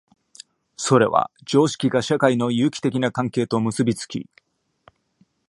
それは常識が社会の有機的な関係と結び付き、